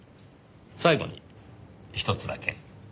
最後にひとつだけ。